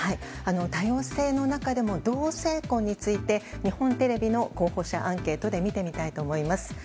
多様性の中でも同性婚について日本テレビの候補者アンケートで見てみたいと思います。